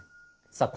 さあ